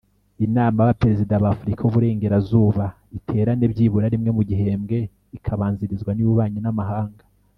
Inama y’ Abaperezida ba afurika y’Uburengerazuba iterane byibura rimwe mugihembwe ikabanzarizwa niy’ububanyi n’amahanga.